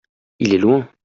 il est loin.